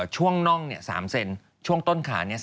ช่วงน่อง๓เซนช่วงต้นขา๓เซน